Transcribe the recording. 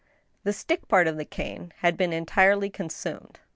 The stick part of the cane had been entirely consumed.